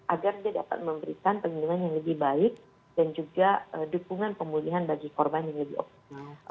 agar dia dapat memberikan perlindungan yang lebih baik dan juga dukungan pemulihan bagi korban yang lebih optimal